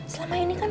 selama ini kan